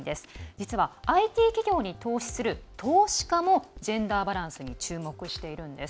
実はＩＴ企業に投資する投資家もジェンダーバランスに注目しているんです。